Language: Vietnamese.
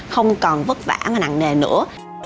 không còn vất vả mà nặng nề nữa